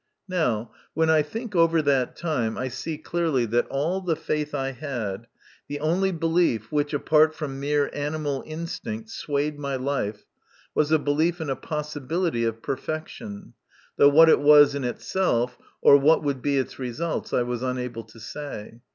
Now, when I think over that time, I see clearly that all the faith I had, the only belief which, apart from mere animal instinct, swayed my life, was a belief in a possibility of perfection, though what it was in itself, or what would be its results, I was unable to say.